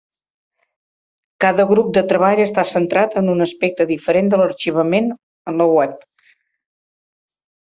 Cada grup de treball està centrat en un aspecte diferent de l'arxivament web.